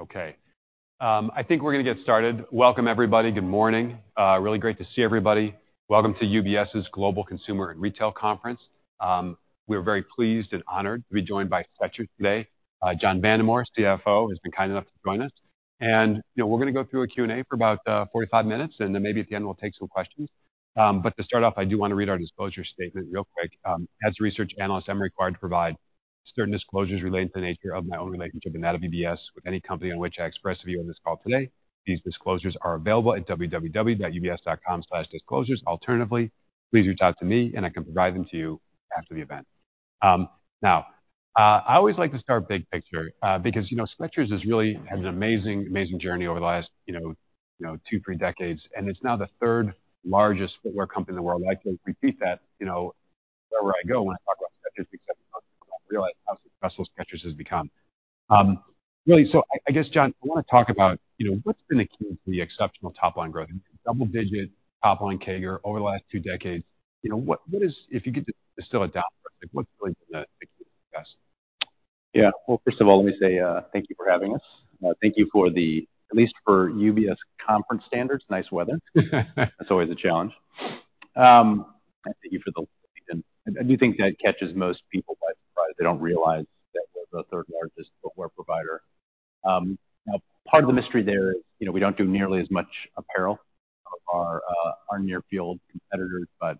Okay. I think we're gonna get started. Welcome, everybody. Good morning. Really great to see everybody. Welcome to UBS Global Consumer and Retail Conference. We're very pleased and honored to be joined by Skechers today. John Vandemore, CFO, has been kind enough to join us. You know, we're gonna go through a Q&A for about 45 minutes, and then maybe at the end we'll take some questions. To start off, I do wanna read our disclosure statement real quick. As a research analyst, I'm required to provide certain disclosures relating to the nature of my own relationship and that of UBS with any company on which I express a view on this call today. These disclosures are available at www.ubs.com/disclosures. Alternatively, please reach out to me, and I can provide them to you after the event. Now, I always like to start big picture, because Skechers has really had an amazing journey over the last 2-3 decades, and it's now the 3rd-largest footwear company in the world. I actually repeat that wherever I go when I talk about Skechers, because people don't realize how successful Skechers has become. Really, I guess, John, I wanna talk about what's been the key to the exceptional top line growth? I mean, double-digit top line CAGR over the last 2 decades. If you could distill it down for us, like, what's really been the key to success? Yeah. Well, first of all, let me say, thank you for having us. Thank you for at least for UBS conference standards, nice weather. That's always a challenge. I do think that catches most people by surprise. They don't realize that we're the third-largest footwear provider. Now part of the mystery there is, you know, we don'tdo nearly as much apparel as our near-field competitors. If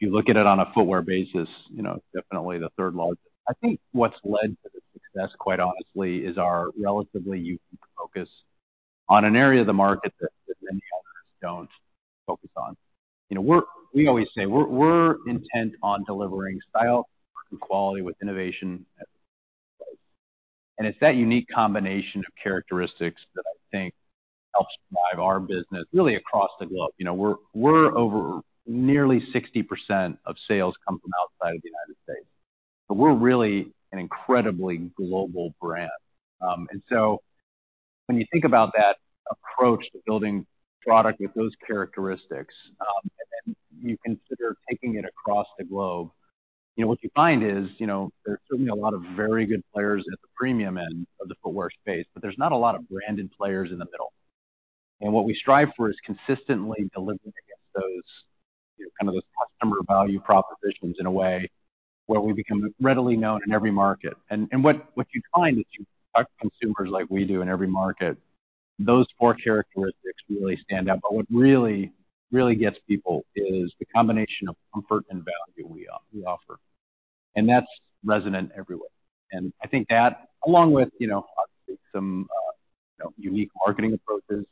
you look at it on a footwear basis, you know, definitely the third-largest. I think what's led to the success, quite honestly, is our relatively unique focus on an area of the market that many others don't focus on. You know, we always say we're intent on delivering style and quality with innovation at the price. It's that unique combination of characteristics that I think helps drive our business really across the globe. You know, nearly 60% of sales come from outside of the United States. We're really an incredibly global brand. When you think about that approach to building product with those characteristics, and then you consider taking it across the globe, you know, what you find is, you know, there are certainly a lot of very good players at the premium end of the footwear space, but there's not a lot of branded players in the middle. What we strive for is consistently delivering against those, you know, kind of those customer value propositions in a way where we become readily known in every market. What you find is you. consumers like we do in every market, those four characteristics really stand out, but what really gets people is the combination of comfort and value we offer. That's resonant everywhere. I think that, along with, you know, obviously some, you know, unique marketing approaches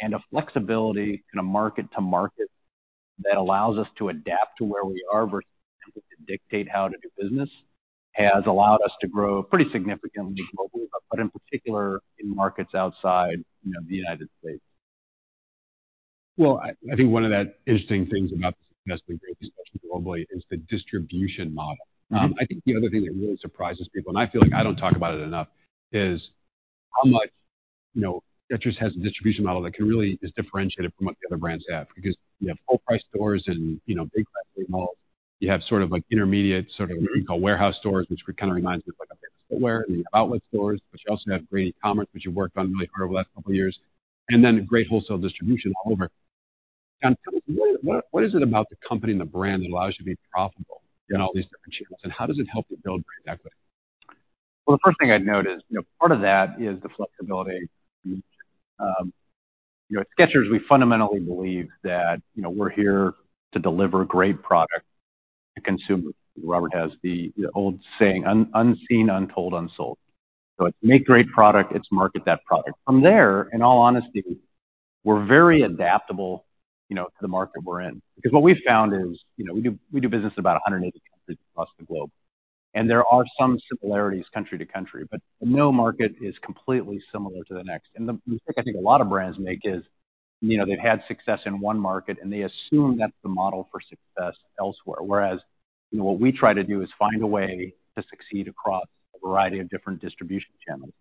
and a flexibility in a market to market that allows us to adapt to where we are versus trying to dictate how to do business, has allowed us to grow pretty significantly globally, but in particular in markets outside, you know, the United States. Well, I think one of the interesting things about the success that you've created, especially globally, is the distribution model. I think the other thing that really surprises people, and I feel like I don't talk about it enough, is how much, you know, Skechers has a distribution model that can really is differentiated from what the other brands have because you have full-price stores and, you know, big class, big malls. You have sort of like intermediate sort of what we call warehouse stores, which kind of reminds me of like a pair of footwear. You have outlet stores, but you also have great e-commerce, which you've worked on really hard over the last couple of years, and then great wholesale distribution all over. Tell me what is it about the company and the brand that allows you to be profitable- Yeah. In all these different channels, and how does it help you build brand equity? The first thing I'd note is, you know, part of that is the flexibility. You know, at Skechers, we fundamentally believe that, you know, we're here to deliver great product to consumers. Robert has the old saying, "Un-unseen, untold, unsold." It's make great product, it's market that product. From there, in all honesty, we're very adaptable, you know, to the market we're in. What we've found is, you know, we do business in about 180 countries across the globe, there are some similarities country to country, but no market is completely similar to the next. The mistake I think a lot of brands make is, you know, they've had success in one market, and they assume that's the model for success elsewhere. You know, what we try to do is find a way to succeed across a variety of different distribution channels.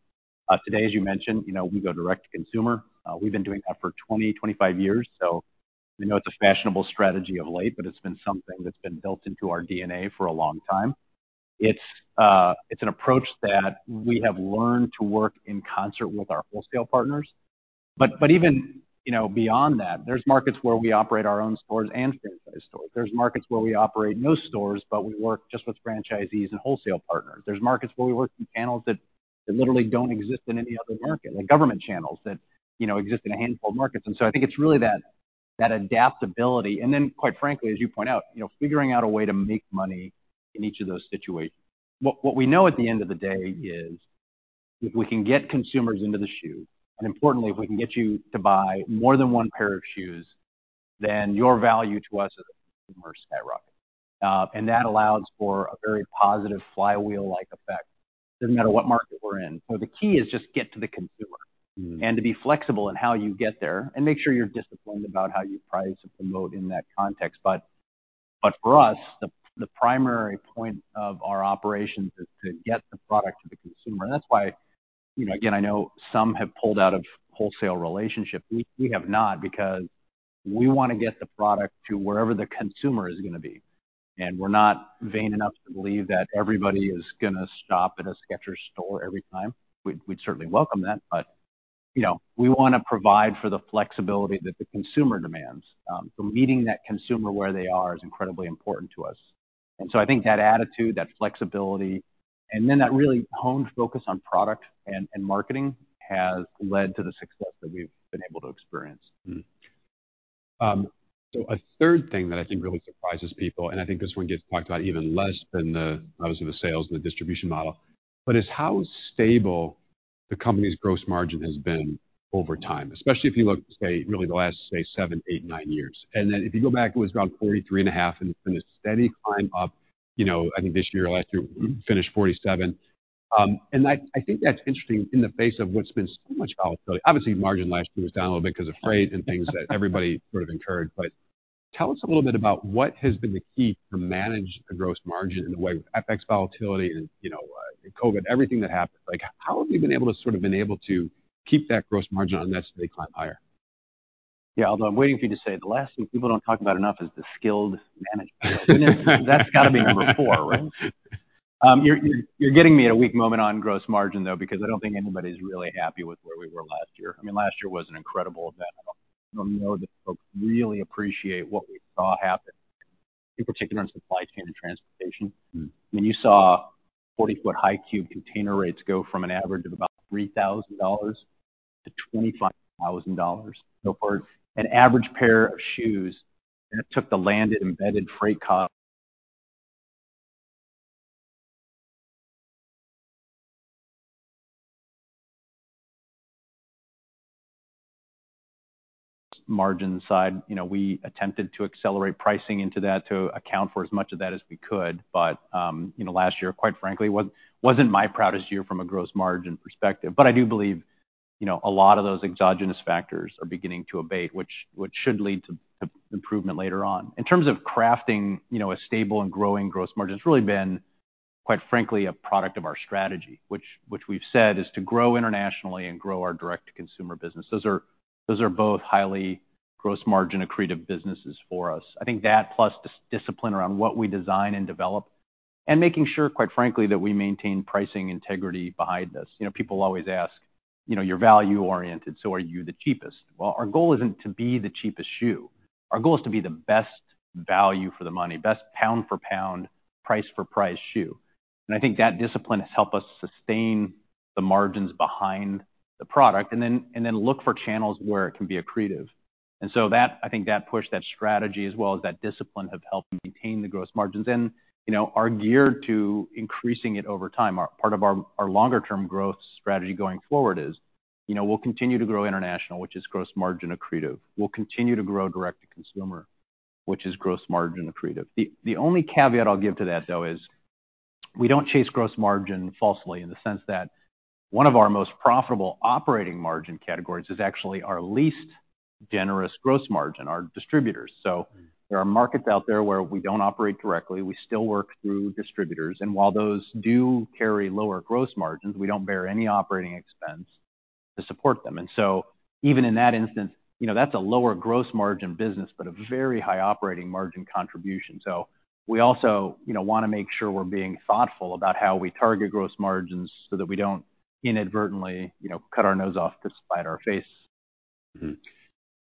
Today, as you mentioned, you know, we go direct-to-consumer. We've been doing that for 20-25 years. We know it's a fashionable strategy of late, but it's been something that's been built into our DNA for a long time. It's an approach that we have learned to work in concert with our wholesale partners. Even, you know, beyond that, there's markets where we operate our own stores and franchise stores. There's markets where we operate no stores, but we work just with franchisees and wholesale partners. There's markets where we work through channels that literally don't exist in any other market, like government channels that, you know, exist in a handful of markets. I think it's really that adaptability. Then, quite frankly, as you point out, you know, figuring out a way to make money in each of those situations. What we know at the end of the day is if we can get consumers into the shoe, and importantly, if we can get you to buy more than one pair of shoes, then your value to us as a consumer skyrocket. That allows for a very positive flywheel-like effect. Doesn't matter what market we're in. The key is just get to the consumer. To be flexible in how you get there and make sure you're disciplined about how you price and promote in that context. For us, the primary point of our operations is to get the product to the consumer. That's why, you know, again, I know some have pulled out of wholesale relationships. We have not because we wanna get the product to wherever the consumer is gonna be. We're not vain enough to believe that everybody is gonna stop at a Skechers store every time. We'd certainly welcome that. You know, we wanna provide for the flexibility that the consumer demands. So meeting that consumer where they are is incredibly important to us. I think that attitude, that flexibility, and then that really honed focus on product and marketing has led to the success that we've been able to experience. A third thing that I think really surprises people, and I think this one gets talked about even less than the obviously the sales and the distribution model, but is how stable the company's gross margin has been over time, especially if you look, say, really the last, say, 7-8-9 years. If you go back, it was around 43.5%, and it's been a steady climb up, you know, I think this year or last year finished 47%. I think that's interesting in the face of what's been so much volatility. Obviously, margin last year was down a little bit 'cause of freight and things that everybody sort of incurred. Tell us a little bit about what has been the key to manage the gross margin in the way with FX volatility and, you know, and COVID, everything that happened. Like, how have you been able to sort of keep that gross margin on net as they climb higher? Yeah. Although I'm waiting for you to say the last thing people don't talk about enough is the skilled management team. That's gotta be number 4, right? You're getting me at a weak moment on gross margin though, because I don't think anybody's really happy with where we were last year. I mean, last year was an incredible event. I don't know that folks really appreciate what we saw happen, in particular in supply chain and transportation. I mean, you saw 40-foot high cube container rates go from an average of about $3,000 to $25,000. For an average pair of shoes, and it took the landed embedded freight cost... margin side. You know, we attempted to accelerate pricing into that to account for as much of that as we could. You know, last year, quite frankly, wasn't my proudest year from a gross margin perspective. I do believe, you know, a lot of those exogenous factors are beginning to abate, which should lead to improvement later on. In terms of crafting, you know, a stable and growing gross margin, it's really been, quite frankly, a product of our strategy, which we've said is to grow internationally and grow our direct-to-consumer business. Those are both highly gross margin accretive businesses for us. I think that plus discipline around what we design and develop, and making sure, quite frankly, that we maintain pricing integrity behind this. You know, people always ask, you know, "You're value oriented, so are you the cheapest?" Well, our goal isn't to be the cheapest shoe. Our goal is to be the best value for the money, best pound for pound, price for price shoe. I think that discipline has helped us sustain the margins behind the product and then look for channels where it can be accretive. I think that push, that strategy as well as that discipline have helped maintain the gross margins and, you know, are geared to increasing it over time. Part of our longer term growth strategy going forward is, you know, we'll continue to grow international, which is gross margin accretive. We'll continue to grow direct-to-consumer, which is gross margin accretive. The only caveat I'll give to that, though, is we don't chase gross margin falsely in the sense that one of our most profitable operating margin categories is actually our least generous gross margin, our distributors. There are markets out there where we don't operate directly, we still work through distributors, and while those do carry lower gross margins, we don't bear any operating expense to support them. Even in that instance, you know, that's a lower gross margin business, but a very high operating margin contribution. We also, you know, wanna make sure we're being thoughtful about how we target gross margins so that we don't inadvertently, you know, cut our nose off to spite our face.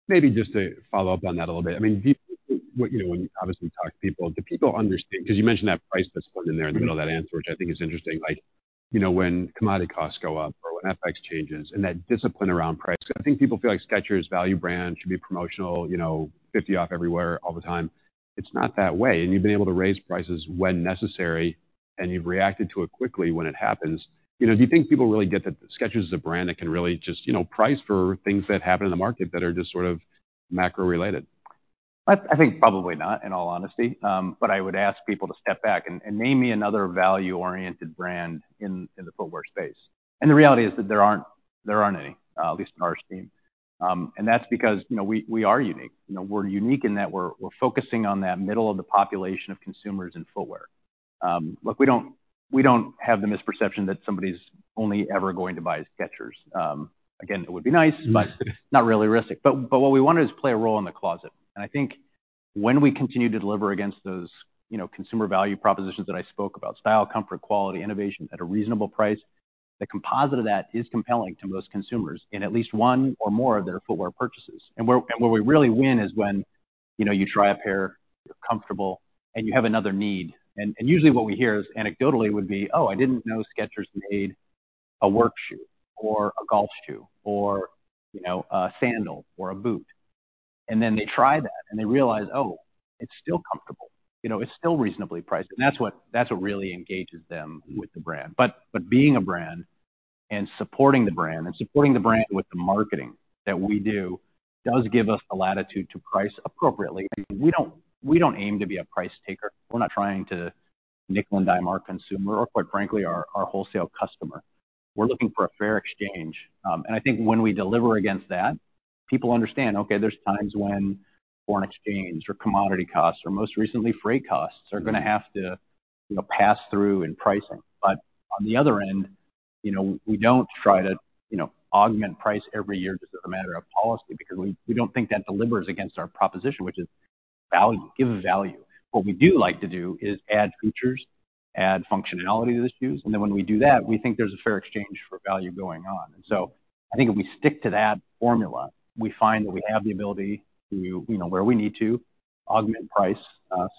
Maybe just to follow up on that a little bit. I mean, you know, when you obviously talk to people, do people understand? 'Cause you mentioned that price discipline in there in the middle of that answer, which I think is interesting. Like, you know, when commodity costs go up or when FX changes and that discipline around price. I think people feel like Skechers value brand should be promotional, you know, 50 off everywhere all the time. It's not that way, and you've been able to raise prices when necessary, and you've reacted to it quickly when it happens. You know, do you think people really get that Skechers is a brand that can really just, you know, price for things that happen in the market that are just sort of macro-related? I think probably not, in all honesty. I would ask people to step back and name me another value-oriented brand in the footwear space. The reality is that there aren't any, at least in our scheme. That's because, you know, we are unique. You know, we're unique in that we're focusing on that middle of the population of consumers in footwear. Look, we don't have the misperception that somebody's only ever going to buy Skechers. Again, it would be nice. Not realistic. What we want is play a role in the closet. I think when we continue to deliver against those, you know, consumer value propositions that I spoke about, style, comfort, quality, innovation at a reasonable price, the composite of that is compelling to most consumers in at least one or more of their footwear purchases. Where, and where we really win is when, you know, you try a pair, you're comfortable, and you have another need. Usually what we hear is anecdotally would be, "Oh, I didn't know Skechers made a work shoe or a golf shoe or, you know, a sandal or a boot." Then they try that, and they realize, "Oh, it's still comfortable, you know, it's still reasonably priced." That's what, that's what really engages them with the brand. Being a brand and supporting the brand and supporting the brand with the marketing that we do does give us the latitude to price appropriately. I mean, we don't aim to be a price taker. We're not trying to nickel and dime our consumer or quite frankly our wholesale customer. We're looking for a fair exchange. And I think when we deliver against that, people understand, okay, there's times when foreign exchange or commodity costs or most recently freight costs are gonna have to, you know, pass through in pricing. On the other end, you know, we don't try to, you know, augment price every year just as a matter of policy because we don't think that delivers against our proposition, which is value, give value. What we do like to do is add features, add functionality to the shoes, and then when we do that, we think there's a fair exchange for value going on. I think if we stick to that formula, we find that we have the ability to, you know, where we need to augment price,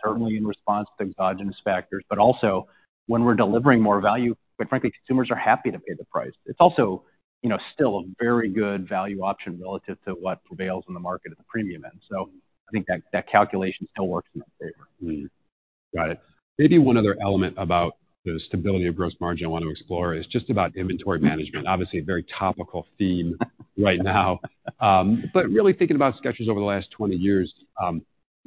certainly in response to exogenous factors, but also when we're delivering more value, quite frankly, consumers are happy to pay the price. It's also, you know, still a very good value option relative to what prevails in the market at the premium end. I think that calculation still works in our favor. Got it. Maybe one other element about the stability of gross margin I want to explore is just about inventory management. Obviously, a very topical theme right now. Really thinking about Skechers over the last 20 years, you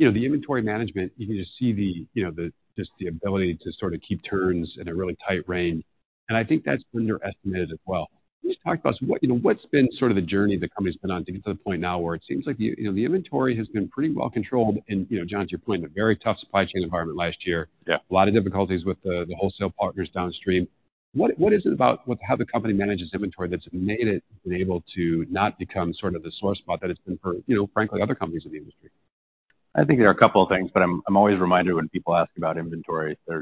know, the inventory management, you can just see the ability to sort of keep turns in a really tight range, and I think that's underestimated as well. Can you just talk about what, you know, what's been sort of the journey the company's been on to get to the point now where it seems like the, you know, the inventory has been pretty well controlled and, you know, John, to your point, a very tough supply chain environment last year. Yeah. A lot of difficulties with the wholesale partners downstream. What is it about with how the company manages inventory that's made it been able to not become sort of the sore spot that it's been for, you know, frankly, other companies in the industry? I think there are a couple of things, but I'm always reminded when people ask about inventory. I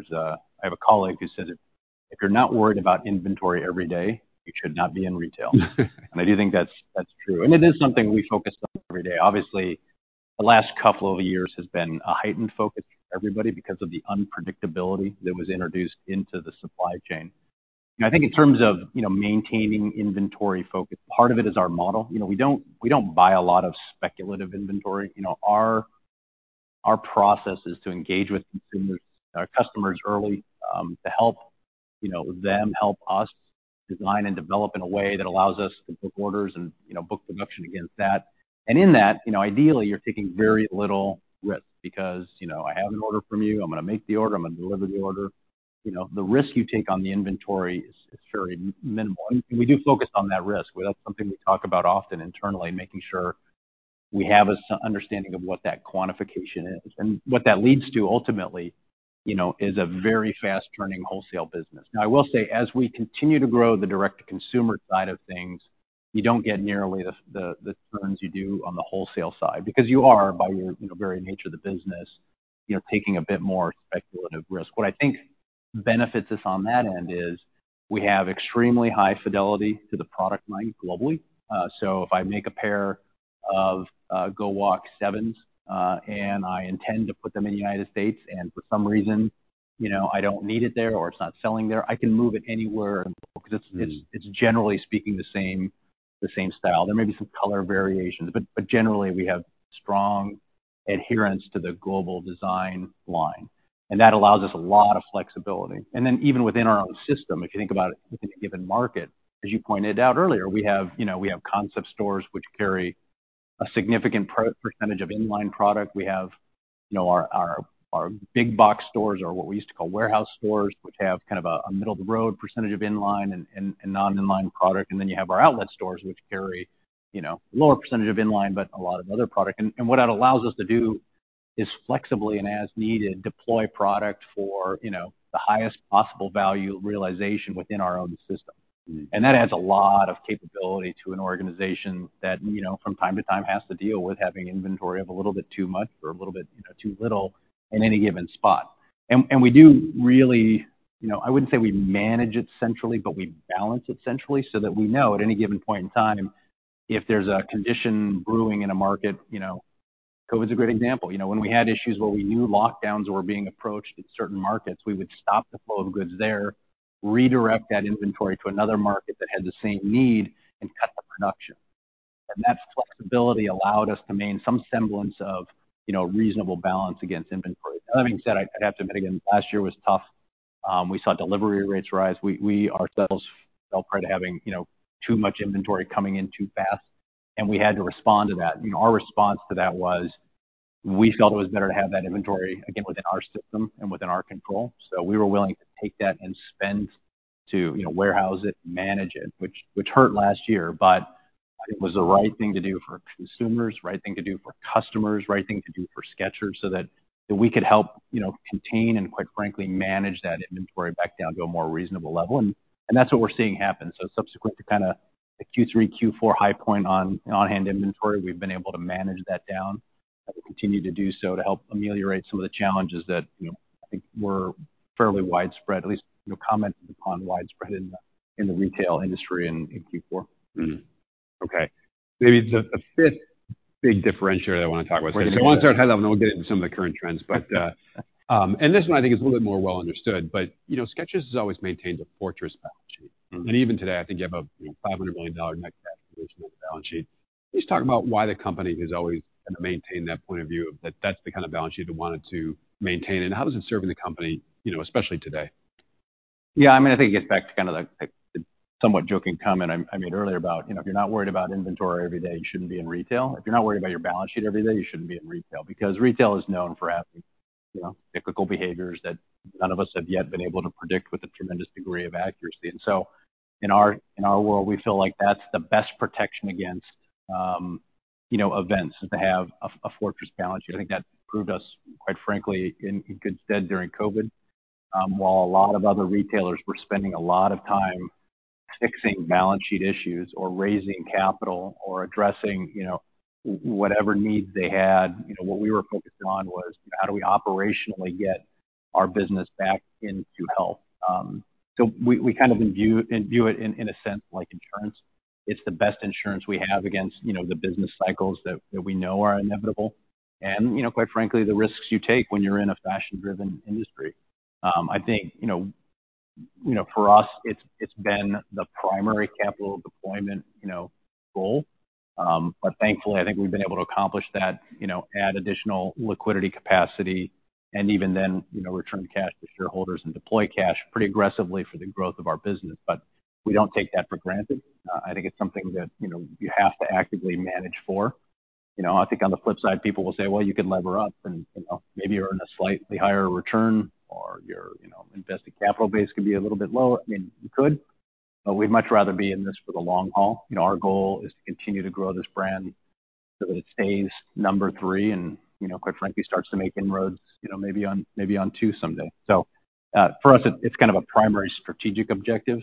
have a colleague who said, "If you're not worried about inventory every day, you should not be in retail." I do think that's true. It is something we focus on every day. Obviously, the last couple of years has been a heightened focus for everybody because of the unpredictability that was introduced into the supply chain. I think in terms of, you know, maintaining inventory focus, part of it is our model. You know, we don't buy a lot of speculative inventory. You know, our process is to engage with consumers, our customers early to help, you know, them help us design and develop in a way that allows us to book orders and, you know, book production against that. In that, you know, ideally, you're taking very little risk because, you know, I have an order from you, I'm gonna make the order, I'm gonna deliver the order. You know, the risk you take on the inventory is very minimal. We do focus on that risk. Well, that's something we talk about often internally, making sure we have a understanding of what that quantification is. What that leads to ultimately, you know, is a very fast-turning wholesale business. I will say, as we continue to grow the direct-to-consumer side of things, you don't get nearly the turns you do on the wholesale side because you are, by your, you know, very nature of the business, you know, taking a bit more speculative risk. What I think benefits us on that end is we have extremely high fidelity to the product line globally. If I make a pair of GO WALK 7, and I intend to put them in the United States, and for some reason, you know, I don't need it there or it's not selling there, I can move it anywhere in the world because it's- It's generally speaking the same style. There may be some color variations, but generally, we have strong adherence to the global design line, and that allows us a lot of flexibility. Even within our own system, if you think about it within a given market, as you pointed out earlier, we have, you know, we have concept stores which carry a significant percentage of in-line product. We have, you know, our big box stores or what we used to call warehouse stores, which have kind of a middle-of-the-road percentage of in-line and non-in-line product. You have our outlet stores which carry, you know, lower percentage of in-line, but a lot of other product. What that allows us to do is flexibly and as needed, deploy product for, you know, the highest possible value realization within our own system. That adds a lot of capability to an organization that, you know, from time to time has to deal with having inventory of a little bit too much or a little bit, you know, too little in any given spot. We do really. You know, I wouldn't say we manage it centrally, but we balance it centrally so that we know at any given point in time if there's a condition brewing in a market, you know. COVID's a great example. You know, when we had issues where we knew lockdowns were being approached in certain markets, we would stop the flow of goods there, redirect that inventory to another market that had the same need and cut the production. That flexibility allowed us to maintain some semblance of, you know, reasonable balance against inventory. Having said, I'd have to admit, again, last year was tough. We saw delivery rates rise. We ourselves felt part of having, you know, too much inventory coming in too fast, and we had to respond to that. You know, our response to that was we felt it was better to have that inventory, again, within our system and within our control. We were willing to take that and spend to, you know, warehouse it, manage it, which hurt last year. It was the right thing to do for consumers, right thing to do for customers, right thing to do for Skechers so that we could help, you know, contain and quite frankly, manage that inventory back down to a more reasonable level. That's what we're seeing happen. Subsequent to kinda the Q3, Q4 high point on on-hand inventory, we've been able to manage that down, and we continue to do so to help ameliorate some of the challenges that, you know, I think were fairly widespread, at least, you know, commented upon widespread in the, in the retail industry in Q4. Okay. Maybe the fifth big differentiator that I want to talk about. I want to start heading up, and then we'll get into some of the current trends. This one I think is a little bit more well understood, but, you know, Skechers has always maintained a fortress balance sheet. Even today, I think you have a, you know, $500 million net cash position on the balance sheet. Can you just talk about why the company has always kinda maintained that point of view, that that's the kind of balance sheet it wanted to maintain, and how is it serving the company, you know, especially today? Yeah. I mean, I think it gets back to kind of the, the somewhat joking comment I made earlier about, you know, if you're not worried about inventory every day, you shouldn't be in retail. If you're not worried about your balance sheet every day, you shouldn't be in retail. Retail is known for having, you know, cyclical behaviors that none of us have yet been able to predict with a tremendous degree of accuracy. In our, in our world, we feel like that's the best protection against, you know, events to have a fortress balance sheet. I think that proved us, quite frankly, in good stead during COVID. While a lot of other retailers were spending a lot of time fixing balance sheet issues or raising capital or addressing, you know, whatever needs they had. You know, what we were focused on was how do we operationally get our business back into health? We kind of view it in a sense like insurance. It's the best insurance we have against, you know, the business cycles that we know are inevitable. You know, quite frankly, the risks you take when you're in a fashion-driven industry. I think, for us, it's been the primary capital deployment, you know, goal. Thankfully, I think we've been able to accomplish that, you know, add additional liquidity capacity, and even then, you know, return cash to shareholders and deploy cash pretty aggressively for the growth of our business. We don't take that for granted. I think it's something that, you know, you have to actively manage for. You know, I think on the flip side, people will say, "Well, you can lever up and, you know, maybe you'll earn a slightly higher return or your, you know, invested capital base can be a little bit lower." I mean, you could, but we'd much rather be in this for the long haul. You know, our goal is to continue to grow this brand so that it stays number three and, you know, quite frankly, starts to make inroads, you know, maybe on, maybe on two someday. For us, it's kind of a primary strategic objective,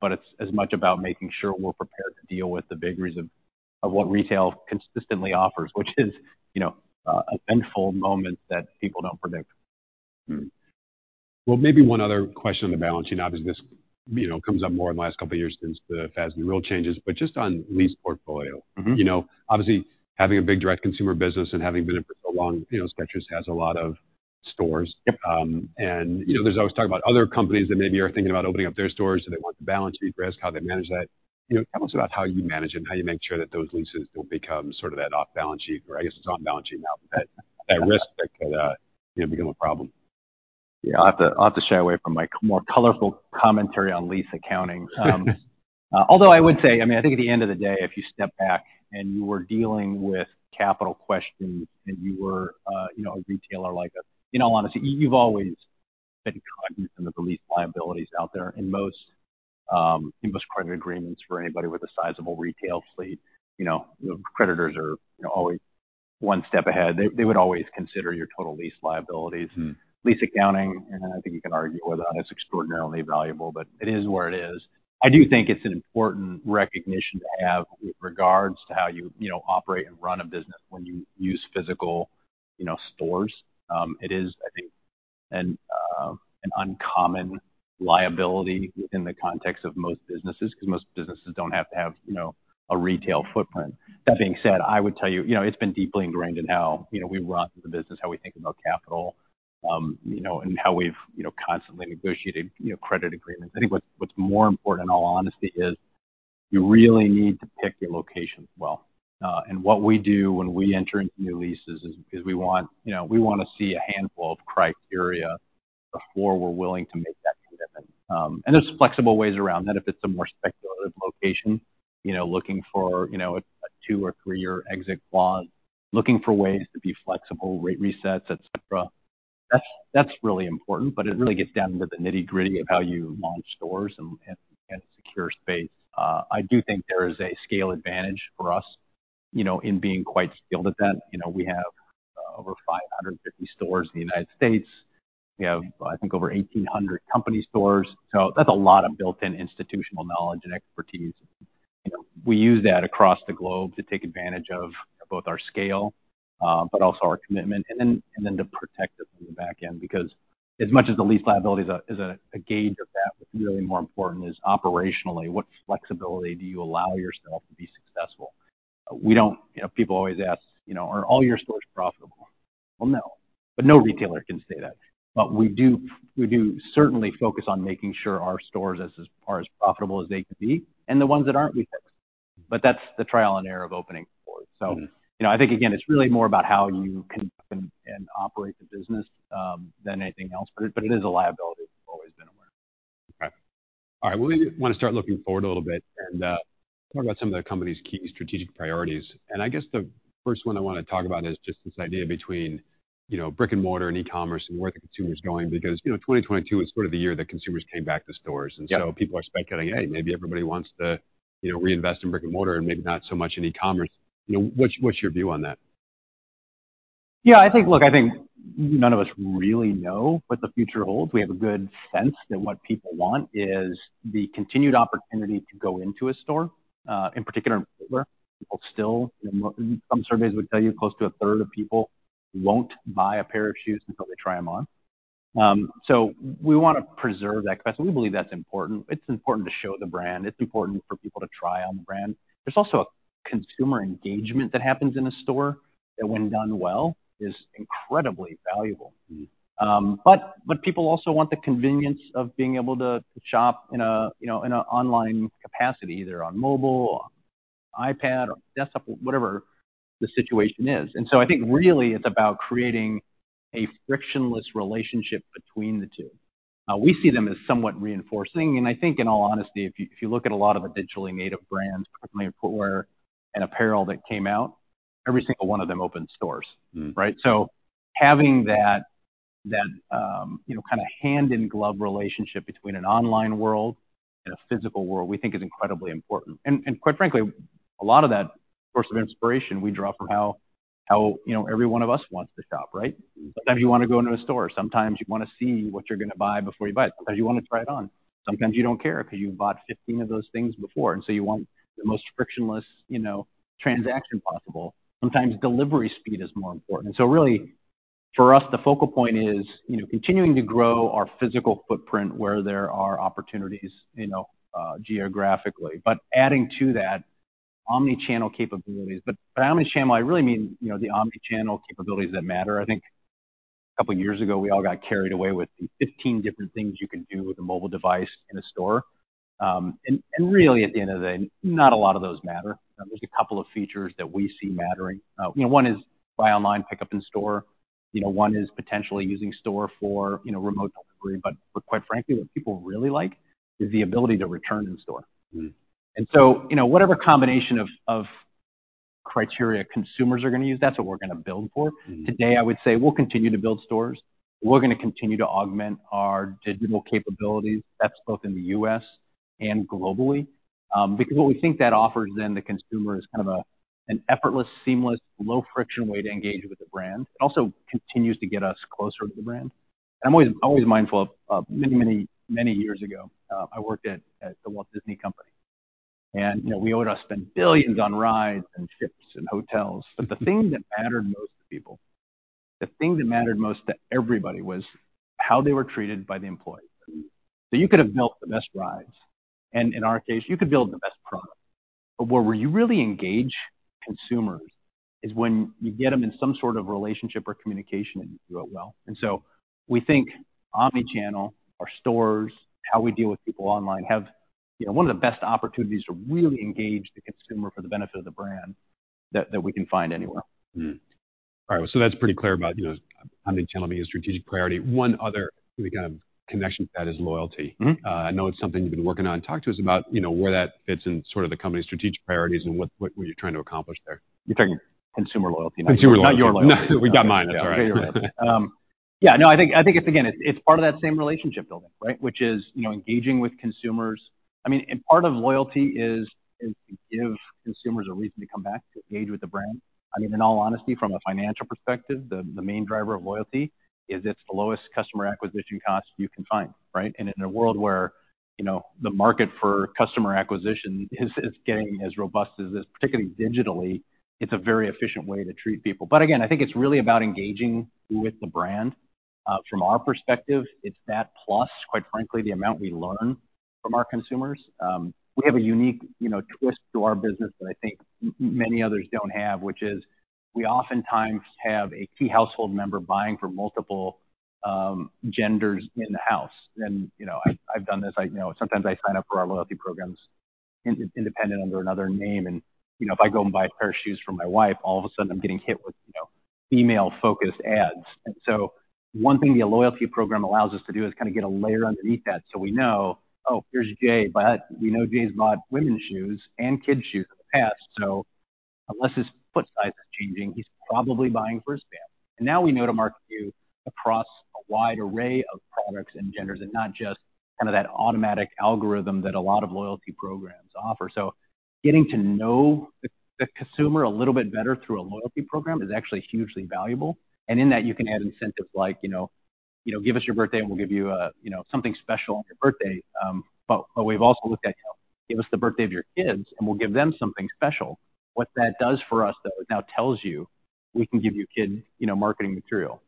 but it's as much about making sure we're prepared to deal with the vagaries of what retail consistently offers, which is, you know, eventful moments that people don't predict. Maybe one other question on the balance sheet. Obviously, this, you know, comes up more in the last couple of years since the FASB rule changes, but just on lease portfolio. You know, obviously, having a big direct-to-consumer business and having been in for so long, you know, Skechers has a lot of stores. Yep. You know, there's always talk about other companies that maybe are thinking about opening up their stores, so they want the balance sheet risk, how they manage that. You know, tell us about how you manage and how you make sure that those leases don't become sort of that off balance sheet or I guess it's on balance sheet now, but that risk that could, you know, become a problem. Yeah. I'll have to shy away from my more colorful commentary on lease accounting. I would say, I mean, I think at the end of the day, if you step back and you were dealing with capital questions and you were, you know, a retailer like us, in all honesty, you've always been cognizant of the lease liabilities out there. In most credit agreements for anybody with a sizable retail fleet, you know, creditors are, you know, always one step ahead. They would always consider your total lease liabilities. Lease accounting, I think you can argue with that, is extraordinarily valuable. It is where it is. I do think it's an important recognition to have with regards to how you know, operate and run a business when you use physical, you know, stores. It is, I think, an uncommon liability within the context of most businesses because most businesses don't have to have, you know, a retail footprint. That being said, I would tell you know, it's been deeply ingrained in how, you know, we run the business, how we think about capital, you know, and how we've, you know, constantly negotiated, you know, credit agreements. I think what's more important, in all honesty, is you really need to pick your locations well. What we do when we enter into new leases is, we want, you know, we wanna see a handful of criteria before we're willing to make that commitment. There's flexible ways around that if it's a more speculative location, you know, looking for, you know, a two or three-year exit clause, looking for ways to be flexible, rate resets, et cetera. That's really important. It really gets down to the nitty-gritty of how you launch stores and secure space. I do think there is a scale advantage for us, you know, in being quite skilled at that. You know, we have over 550 stores in the United States. We have, I think, over 1,800 company stores. That's a lot of built-in institutional knowledge and expertise. You know, we use that across the globe to take advantage of both our scale, but also our commitment. Then to protect it on the back end, because as much as the lease liability is a gauge of that, what's really more important is operationally, what flexibility do you allow yourself to be successful? We don't... You know, people always ask, you know, "Are all your stores profitable?" Well, no. No retailer can say that. We do certainly focus on making sure our stores are as profitable as they can be. The ones that aren't, we fix. That's the trial and error of opening stores. You know, I think, again, it's really more about how you conduct and operate the business, than anything else. It is a liability we've always been aware of. Okay. All right. Well, we wanna start looking forward a little bit and talk about some of the company's key strategic priorities. I guess the first one I wanna talk about is just this idea between, you know, brick-and-mortar and e-commerce and where the consumer's going because, you know, 2022 was sort of the year that consumers came back to stores. Yeah. People are speculating, hey, maybe everybody wants to, you know, reinvest in brick-and-mortar and maybe not so much in e-commerce. You know, what's your view on that? Look, I think none of us really know what the future holds. We have a good sense that what people want is the continued opportunity to go into a store, in particular in footwear. Some surveys would tell you close to a third of people won't buy a pair of shoes until they try them on. So we wanna preserve that because we believe that's important. It's important to show the brand. It's important for people to try on the brand. There's also a consumer engagement that happens in a store that when done well, is incredibly valuable. But people also want the convenience of being able to shop in a, you know, in an online capacity, either on mobile or iPad or desktop, whatever the situation is. I think really it's about creating a frictionless relationship between the two. We see them as somewhat reinforcing. I think in all honesty, if you, if you look at a lot of the digitally native brands, particularly in footwear and apparel that came out, every single one of them opened stores. Right? Having That, you know, kind of hand-in-glove relationship between an online world and a physical world, we think is incredibly important. Quite frankly, a lot of that source of inspiration we draw from how, you know, every one of us wants to shop, right? Sometimes you want to go into a store. Sometimes you want to see what you're going to buy before you buy it. Sometimes you want to try it on. Sometimes you don't care because you've bought 15 of those things before, and so you want the most frictionless, you know, transaction possible. Sometimes delivery speed is more important. Really for us, the focal point is, you know, continuing to grow our physical footprint where there are opportunities, you know, geographically, but adding to that, omnichannel capabilities. By omnichannel, I really mean, you know, the omnichannel capabilities that matter. I think a couple of years ago, we all got carried away with the 15 different things you can do with a mobile device in a store. Really at the end of the day, not a lot of those matter. There's a couple of features that we see mattering. You know, one is buy online, pick up in store. You know, one is potentially using store for, you know, remote delivery. Quite frankly, what people really like is the ability to return in store. You know, whatever combination of criteria consumers are going to use, that's what we're going to build for. Today, I would say we'll continue to build stores. We're going to continue to augment our digital capabilities. That's both in the U.S. and globally. What we think that offers then the consumer is kind of a, an effortless, seamless, low-friction way to engage with the brand. It also continues to get us closer to the brand. I'm always mindful of many years ago, I worked at The Walt Disney Company. You know, we would spend $billions on rides and ships and hotels, but the thing that mattered most to people, the thing that mattered most to everybody was how they were treated by the employees. You could have built the best rides, and in our case, you could build the best product. Where you really engage consumers is when you get them in some sort of relationship or communication, and you do it well. We think omnichannel, our stores, how we deal with people online, have, you know, one of the best opportunities to really engage the consumer for the benefit of the brand that we can find anywhere. All right. That's pretty clear about, you know, omnichannel being a strategic priority. One other really kind of connection to that is loyalty. I know it's something you've been working on. Talk to us about, you know, where that fits in sort of the company's strategic priorities and what you're trying to accomplish there. You're talking consumer loyalty, not your loyalty. Consumer loyalty. We got mine. That's all right. Yeah. You're right. Yeah, no, I think it's again, it's part of that same relationship building, right? Which is, you know, engaging with consumers. I mean, part of loyalty is to give consumers a reason to come back to engage with the brand. I mean, in all honesty, from a financial perspective, the main driver of loyalty is it's the lowest customer acquisition cost you can find, right? In a world where, you know, the market for customer acquisition is getting as robust as this, particularly digitally, it's a very efficient way to treat people. Again, I think it's really about engaging with the brand. From our perspective, it's that plus, quite frankly, the amount we learn from our consumers. We have a unique, you know, twist to our business that I think many others don't have, which is we oftentimes have a key household member buying for multiple genders in the house. You know, I've done this. I know sometimes I sign up for our loyalty programs independent under another name, and, you know, if I go and buy a pair of shoes for my wife, all of a sudden I'm getting hit with, you know, female-focused ads. One thing the loyalty program allows us to do is kind of get a layer underneath that so we know, oh, here's Jay, but we know Jay's bought women's shoes and kids' shoes in the past. Unless his foot size is changing, he's probably buying for his family. Now we know to market to you across a wide array of products and genders and not just kind of that automatic algorithm that a lot of loyalty programs offer. Getting to know the consumer a little bit better through a loyalty program is actually hugely valuable. In that, you can add incentives like, you know, give us your birthday and we'll give you something special on your birthday. But we've also looked at, you know, give us the birthday of your kids, and we'll give them something special. What that does for us, though, it now tells you we can give you kid marketing material.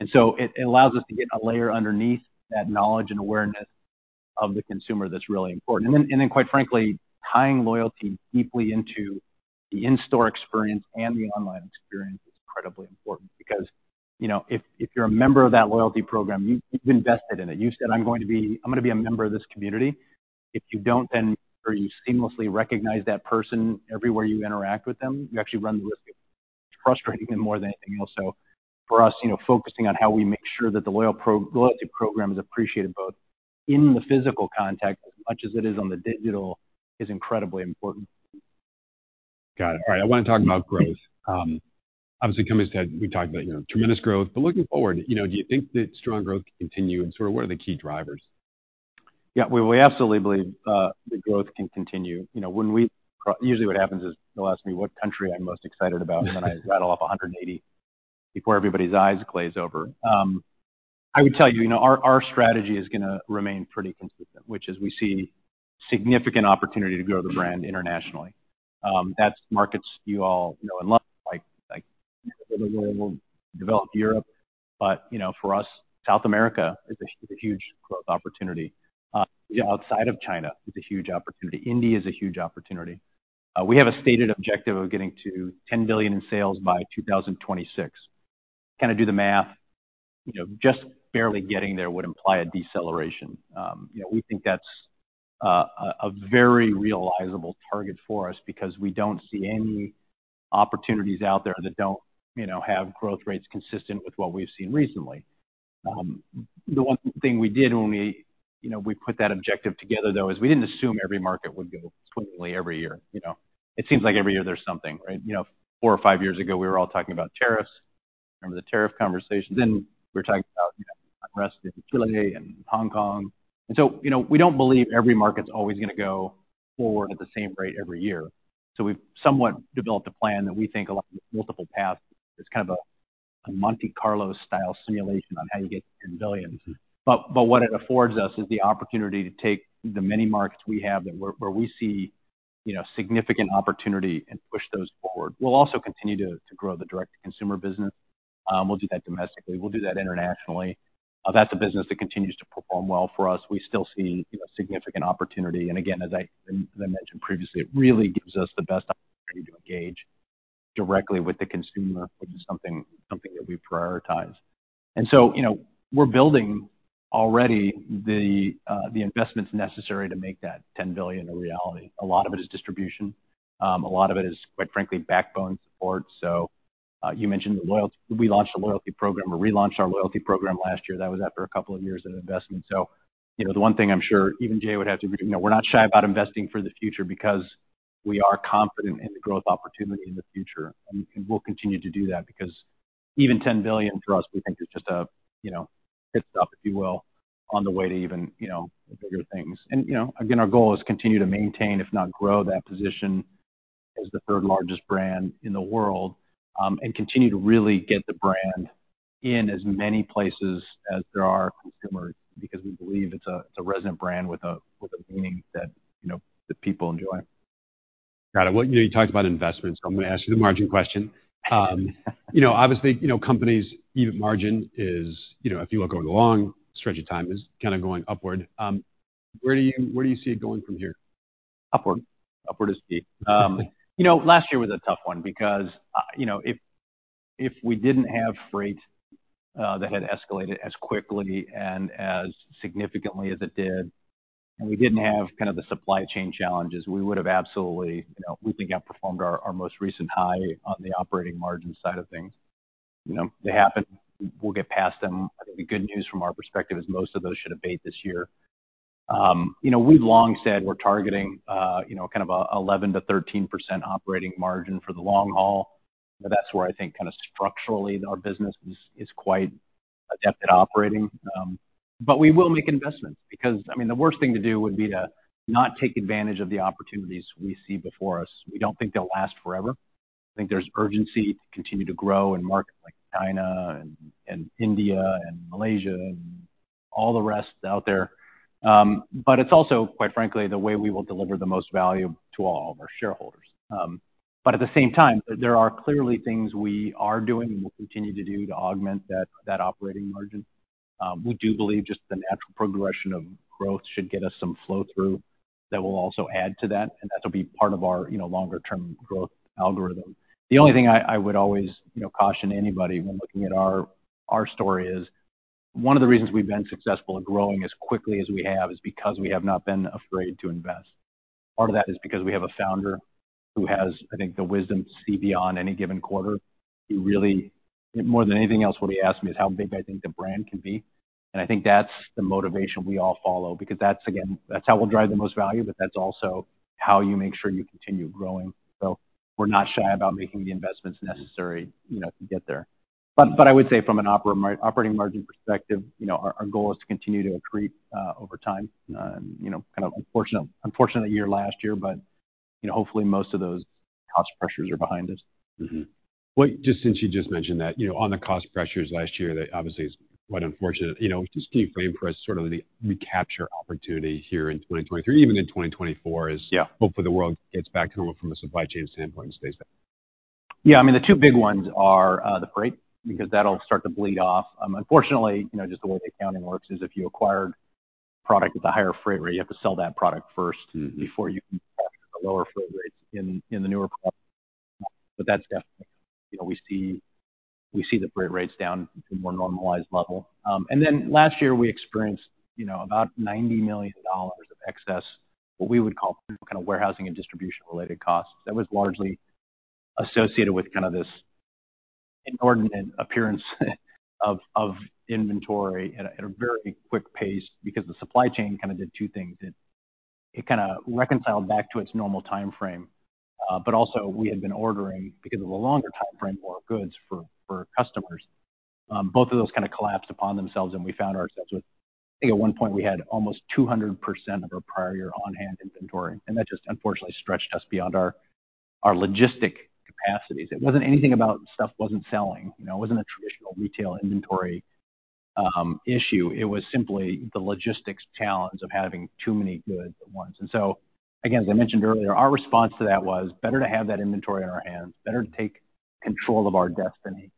It allows us to get a layer underneath that knowledge and awareness of the consumer that's really important. Then, quite frankly, tying loyalty deeply into the in-store experience and the online experience is incredibly important because, you know, if you're a member of that loyalty program, you've invested in it. You said, "I'm going to be a member of this community." If you don't, then or you seamlessly recognize that person everywhere you interact with them, you actually run the risk of frustrating them more than anything else. For us, you know, focusing on how we make sure that the loyalty program is appreciated both in the physical context as much as it is on the digital is incredibly important. Got it. All right. I want to talk about growth. Obviously, coming to Ted, we talked about, you know, tremendous growth. Looking forward, you know, do you think that strong growth can continue, and sort of what are the key drivers? Yeah. We absolutely believe the growth can continue. You know, when we usually what happens is they'll ask me what country I'm most excited about, I rattle off 180 before everybody's eyes glaze over. I would tell you know, our strategy is gonna remain pretty consistent, which is we see significant opportunity to grow the brand internationally. That's markets you all know and love, like developed Europe. You know, for us, South America is a huge growth opportunity. Outside of China is a huge opportunity. India is a huge opportunity. We have a stated objective of getting to $10 billion in sales by 2026. Kind of do the math, you know, just barely getting there would imply a deceleration. You know, we think that's a very realizable target for us because we don't see any opportunities out there that don't, you know, have growth rates consistent with what we've seen recently. The one thing we did when we put that objective together, though, is we didn't assume every market would go swimmingly every year. You know, it seems like every year there's something, right? You know, four or five years ago, we were all talking about tariffs. Remember the tariff conversations? We were talking about, you know, unrest in Chile and Hong Kong. You know, we don't believe every market's always gonna go forward at the same rate every year. So we've somewhat developed a plan that we think allows multiple paths. It's kind of a Monte Carlo style simulation on how you get to $10 billion. What it affords us is the opportunity to take the many markets we have that where we see, you know, significant opportunity and push those forward. We'll also continue to grow the direct-to-consumer business. We'll do that domestically. We'll do that internationally. That's a business that continues to perform well for us. We still see, you know, significant opportunity. Again, as I mentioned previously, it really gives us the best opportunity to engage directly with the consumer, which is something that we prioritize. You know, we're building already the investments necessary to make that $10 billion a reality. A lot of it is distribution. A lot of it is, quite frankly, backbone support. You mentioned the loyalty. We launched a loyalty program or relaunched our loyalty program last year. That was after a couple of years of investment. You know, the one thing I'm sure even Jay would have to agree, you know, we're not shy about investing for the future because we are confident in the growth opportunity in the future. We'll continue to do that because even $10 billion for us, we think is just a, you know, pit stop, if you will, on the way to even, you know, bigger things. You know, again, our goal is continue to maintain, if not grow that position as the third-largest brand in the world, and continue to really get the brand in as many places as there are consumers, because we believe it's a, it's a resonant brand with a, with a meaning that, you know, the people enjoy. Got it. Well, you know, you talked about investments, so I'm gonna ask you the margin question. You know, obviously, you know, companies' EBIT margin is, you know, if you look over the long stretch of time, is kind of going upward. Where do you see it going from here? Upward. Upward is key. you know, last year was a tough one because, you know, if we didn't have freight, that had escalated as quickly and as significantly as it did, and we didn't have kind of the supply chain challenges, we would've absolutely, you know, we think outperformed our most recent high on the operating margin side of things. You know, they happen, we'll get past them. I think the good news from our perspective is most of those should abate this year. you know, we've long said we're targeting, you know, kind of a 11%-13% operating margin for the long haul. That's where I think kinda structurally our business is quite adept at operating. We will make investments because, I mean, the worst thing to do would be to not take advantage of the opportunities we see before us. We don't think they'll last forever. I think there's urgency to continue to grow in markets like China and India and Malaysia and all the rest out there. It's also, quite frankly, the way we will deliver the most value to all of our shareholders. At the same time, there are clearly things we are doing and will continue to do to augment that operating margin. We do believe just the natural progression of growth should get us some flow-through that will also add to that, and that'll be part of our, you know, longer term growth algorithm. The only thing I would always, you know, caution anybody when looking at our story is one of the reasons we've been successful in growing as quickly as we have is because we have not been afraid to invest. Part of that is because we have a founder who has, I think, the wisdom to see beyond any given quarter, who really, more than anything else, what he asks me is how big I think the brand can be. I think that's the motivation we all follow, because that's, again, that's how we'll drive the most value, but that's also how you make sure you continue growing. We're not shy about making the investments necessary, you know, to get there. I would say from an operating margin perspective, you know, our goal is to continue to accrete over time. You know, kind of unfortunate year last year, but, you know, hopefully, most of those cost pressures are behind us. Mm-hmm. Well, just since you just mentioned that, you know, on the cost pressures last year, that obviously is quite unfortunate. You know, just can you frame for us sort of the recapture opportunity here in 2023, even in 2024? Yeah. Hopefully the world gets back to normal from a supply chain standpoint and stays there. Yeah. I mean, the two big ones are the freight, because that'll start to bleed off. Unfortunately, you know, just the way the accounting works is if you acquired product at the higher freight rate, you have to sell that product. before you can capture the lower freight rates in the newer products. That's definitely, you know, we see, we see the freight rates down to more normalized level. Last year we experienced, you know, about $90 million of excess, what we would call kind of warehousing and distribution related costs. That was largely associated with kind of this inordinate appearance of inventory at a, at a very quick pace because the supply chain kind of did two things. It kinda reconciled back to its normal timeframe, but also we had been ordering, because of a longer timeframe, more goods for customers. Both of those kinda collapsed upon themselves, and we found ourselves with... I think at 1 point we had almost 200% of our prior year on-hand inventory, that just unfortunately stretched us beyond our logistic capacities. It wasn't anything about stuff wasn't selling. You know, it wasn't a traditional retail inventory issue. It was simply the logistics challenge of having too many goods at once. Again, as I mentioned earlier, our response to that was better to have that inventory on our hands, better to take control of our destiny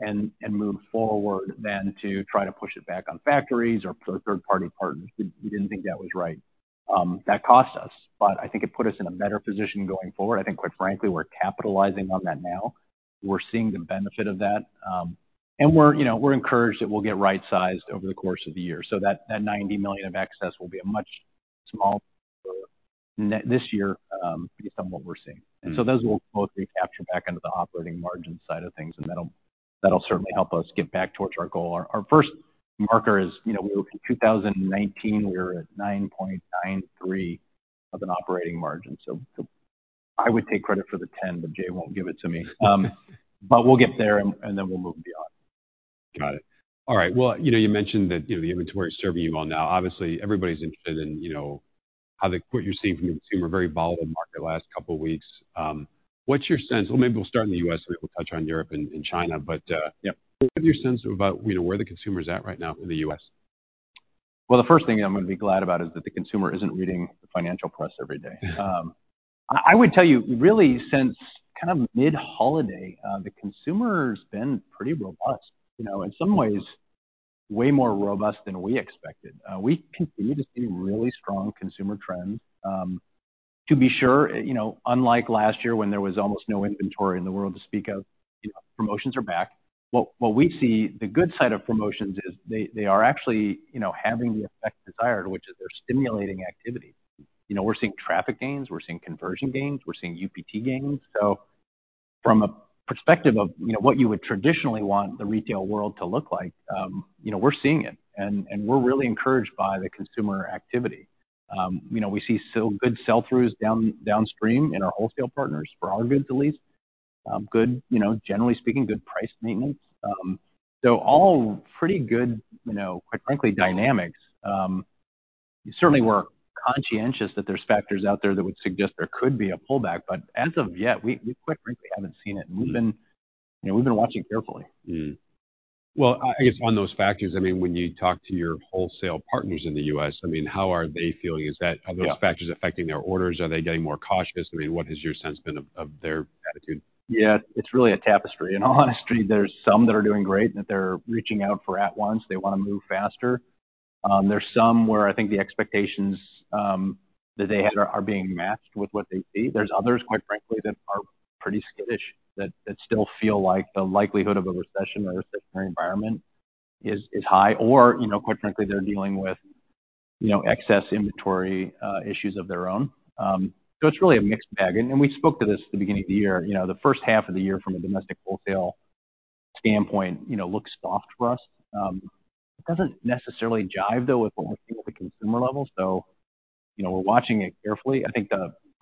and move forward than to try to push it back on factories or third-party partners. We didn't think that was right. That cost us, I think it put us in a better position going forward. I think, quite frankly, we're capitalizing on that now. We're seeing the benefit of that. We're, you know, we're encouraged that we'll get right-sized over the course of the year. That, that $90 million of excess will be a much smaller this year, based on what we're seeing. Those will both be captured back into the operating margin side of things, and that'll certainly help us get back towards our goal. Our, our first marker is, you know, we look at 2019, we were at 9.93% of an operating margin. I would take credit for the 10%, but Jay won't give it to me. But we'll get there and then we'll move beyond. Got it. All right. Well, you know, you mentioned that, you know, the inventory is serving you well now. Obviously, everybody's interested in, you know, what you're seeing from the consumer, very volatile market the last couple weeks. What's your sense. Well, maybe we'll start in the US, and we'll touch on Europe and China. Yeah. What are your senses about, you know, where the consumer is at right now in the U.S.? Well, the first thing I'm gonna be glad about is that the consumer isn't reading the financial press every day. I would tell you, really, since kind of mid-holiday, the consumer's been pretty robust. You know, in some ways, way more robust than we expected. We continue to see really strong consumer trends. To be sure, you know, unlike last year when there was almost no inventory in the world to speak of, you know, promotions are back. What we see, the good side of promotions is they are actually, you know, having the effect desired, which is they're stimulating activity. You know, we're seeing traffic gains, we're seeing conversion gains, we're seeing UPT gains. From a perspective of, you know, what you would traditionally want the retail world to look like, you know, we're seeing it and we're really encouraged by the consumer activity. You know, we see so good sell-throughs downstream in our wholesale partners for our goods at least. Good, you know, generally speaking, good price maintenance. All pretty good, you know, quite frankly, dynamics. Certainly we're conscientious that there's factors out there that would suggest there could be a pullback, but as of yet, we quite frankly haven't seen it. We've been, you know, we've been watching carefully. Well, I guess on those factors, I mean, when you talk to your wholesale partners in the U.S., I mean, how are they feeling? Yeah. Are those factors affecting their orders? Are they getting more cautious? I mean, what has your sense been of their attitude? Yeah. It's really a tapestry. In all honesty, there's some that are doing great, that they're reaching out for at-once. They wanna move faster. There's some where I think the expectations that they had are being matched with what they see. There's others, quite frankly, that are pretty skittish that still feel like the likelihood of a recession or a recessionary environment is high or, you know, quite frankly, they're dealing with, you know, excess inventory issues of their own. It's really a mixed bag. We spoke to this at the beginning of the year. You know, the first half of the year from a domestic wholesale standpoint, you know, looks soft for us. It doesn't necessarily jive though with what we're seeing at the consumer level, you know, we're watching it carefully.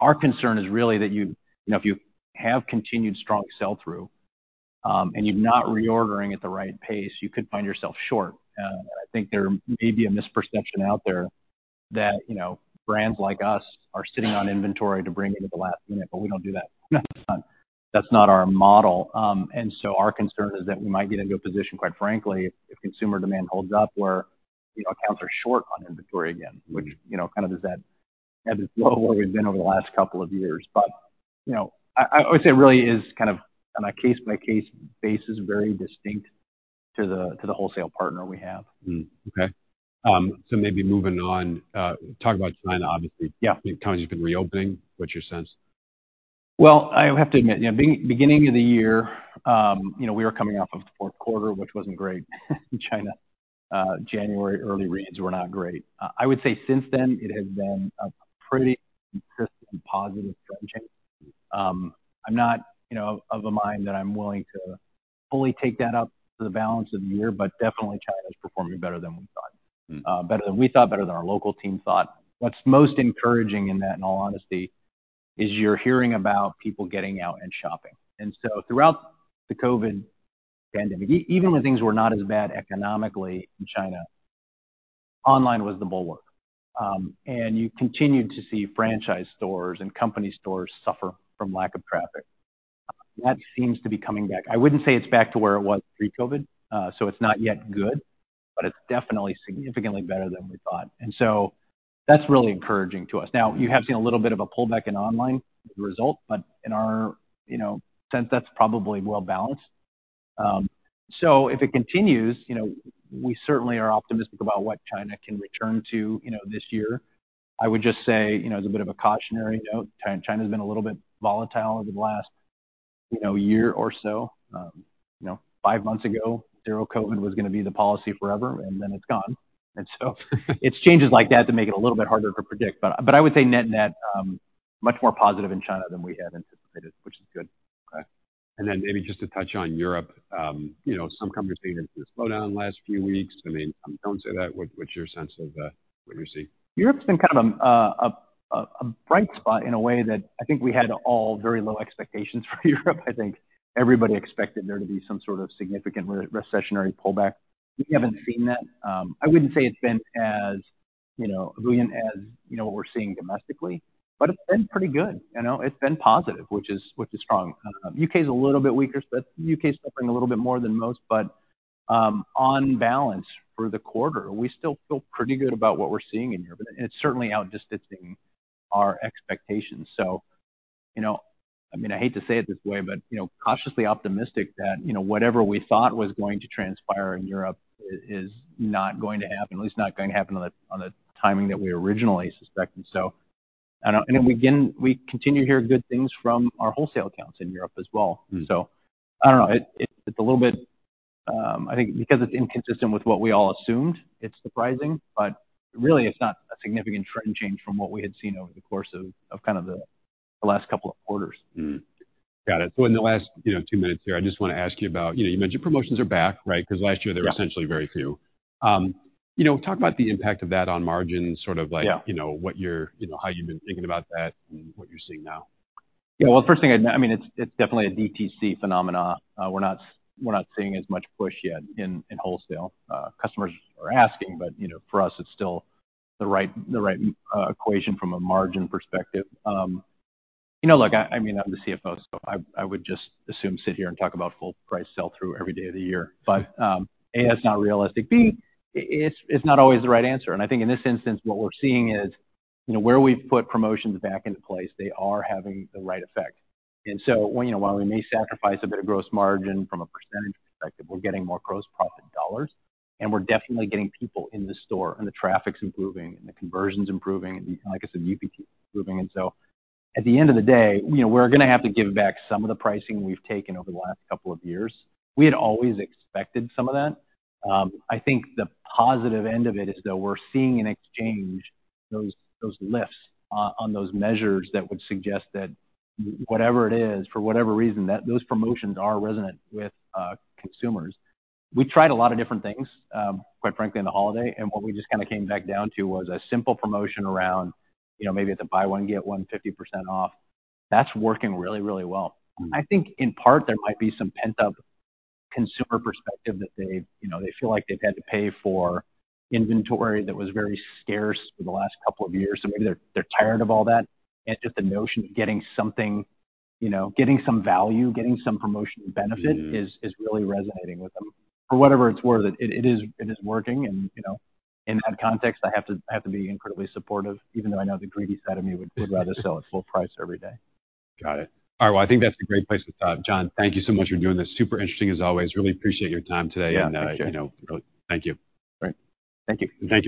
Our concern is really that you know, if you have continued strong sell-through, and you're not reordering at the right pace, you could find yourself short. I think there may be a misperception out there that, you know, brands like us are sitting on inventory to bring in at the last minute, but we don't do that. That's not our model. Our concern is that we might get into a position, quite frankly, if consumer demand holds up, where, you know, accounts are short on inventory again. you know, kind of is that as it's low where we've been over the last couple of years. you know, I would say it really is kind of on a case-by-case basis, very distinct to the, to the wholesale partner we have. Okay. Maybe moving on, talk about China, obviously. Yeah. The economy's been reopening. What's your sense? Well, I have to admit, you know, beginning of the year, you know, we were coming off of the Q4, which wasn't great in China. January early reads were not great. I would say since then, it has been a pretty consistent positive trend change. I'm not, you know, of a mind that I'm willing to fully take that up for the balance of the year, but definitely China is performing better than we thought. Better than we thought, better than our local team thought. What's most encouraging in that, in all honesty, is you're hearing about people getting out and shopping. Throughout the COVID pandemic, even when things were not as bad economically in China, online was the bulwark. You continued to see franchise stores and company stores suffer from lack of traffic. That seems to be coming back. I wouldn't say it's back to where it was pre-COVID, so it's not yet good, but it's definitely significantly better than we thought. That's really encouraging to us. Now, you have seen a little bit of a pullback in online as a result, but in our, you know, sense, that's probably well-balanced. If it continues, you know, we certainly are optimistic about what China can return to, you know, this year. I would just say, you know, as a bit of a cautionary note, China's been a little bit volatile over the last, you know, year or so. You know, five months ago, zero COVID was gonna be the policy forever, and then it's gone. It's changes like that that make it a little bit harder to predict. But I would say net-net, much more positive in China than we had anticipated, which is good. Okay. Maybe just to touch on Europe, you know, some companies saying it's in a slowdown the last few weeks. I mean, some don't say that. What, what's your sense of what you're seeing? Europe's been kind of a bright spot in a way that I think we had all very low expectations for Europe. I think everybody expected there to be some sort of significant recessionary pullback. We haven't seen that. I wouldn't say it's been as, you know, brilliant as, you know, what we're seeing domestically, but it's been pretty good. You know, it's been positive, which is, which is strong. U.K. is a little bit weaker, U.K. is suffering a little bit more than most, but on balance for the quarter, we still feel pretty good about what we're seeing in Europe, and it's certainly outdistancing our expectations. You know, I mean, I hate to say it this way, but, you know, cautiously optimistic that, you know, whatever we thought was going to transpire in Europe is not going to happen, at least not going to happen on the timing that we originally suspected. We continue to hear good things from our wholesale accounts in Europe as well. I don't know. It's a little bit, I think because it's inconsistent with what we all assumed, it's surprising. Really, it's not a significant trend change from what we had seen over the course of kind of the last couple of quarters. Got it. In the last, you know, two minutes here, I just wanna ask you about, you know, you mentioned promotions are back, right? 'Cause last year- Yeah ...there were essentially very few. You know, talk about the impact of that on margins, sort of like... Yeah ...you know, how you've been thinking about that and what you're seeing now. Yeah. Well, I mean, it's definitely a DTC phenomena. We're not seeing as much push yet in wholesale. Customers are asking, you know, for us, it's still the right equation from a margin perspective. You know, look, I mean, I'm the CFO, so I would just assume sit here and talk about full price sell through every day of the year. A, it's not realistic, B, it's not always the right answer. I think in this instance, what we're seeing is, you know, where we've put promotions back into place, they are having the right effect. When, you know, while we may sacrifice a bit of gross margin from a percentage perspective, we're getting more gross profit dollars, and we're definitely getting people in the store, and the traffic's improving and the conversion's improving. Like I said, UPT is improving. At the end of the day, you know, we're gonna have to give back some of the pricing we've taken over the last couple of years. We had always expected some of that. I think the positive end of it is, though, we're seeing in exchange those lifts on those measures that would suggest that whatever it is, for whatever reason, that those promotions are resonant with, consumers. We tried a lot of different things, quite frankly, in the holiday, and what we just kind of came back down to was a simple promotion around, you know, maybe it's a buy one, get one 50% off. That's working really, really well. I think in part there might be some pent-up consumer perspective that they, you know, they feel like they've had to pay for inventory that was very scarce for the last couple of years, so maybe they're tired of all that. Just the notion of getting something, you know, getting some value, getting some promotional benefit. is really resonating with them. For whatever it's worth, it is working and, you know, in that context, I have to be incredibly supportive, even though I know the greedy side of me would rather sell at full price every day. Got it. All right. Well, I think that's a great place to stop. John, thank you so much for doing this. Super interesting as always. Really appreciate your time today. Yeah, thank you. You know, thank you. All right. Thank you. Thank you.